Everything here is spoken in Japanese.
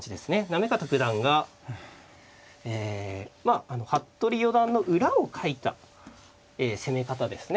行方九段が服部四段の裏をかいた攻め方ですね。